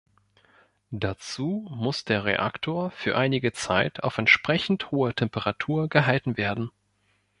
Dazu muss der Reaktor für einige Zeit auf entsprechend hoher Temperatur gehalten werden.